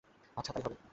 আচ্ছা, তাই হবে।